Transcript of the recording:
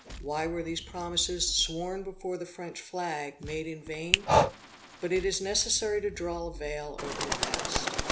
Why were these promises, sworn before the French flag, made in vain? But it is necessary to draw a veil over the past.